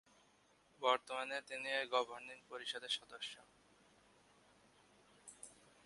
বর্তমানে তিনি এর গভর্নিং পরিষদের সদস্য।